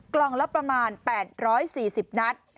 กล่องละประมาณ๘๔๐นัด